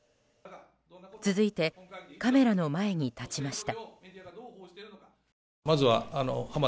続いてカメラの前に立ちました。